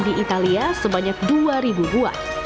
di italia sebanyak dua buah